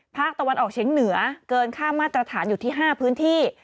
ภาคตะวันออกเฉียงเหนือเกินค่ามาตรฐานอยู่ที่๕พื้นที่